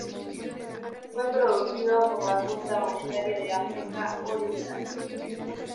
Fue producido por la Junta Monetaria de África Oriental.